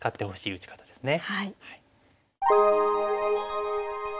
打ち方ですね。